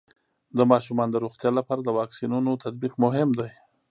د ماشومانو د روغتیا لپاره د واکسینونو تطبیق مهم دی.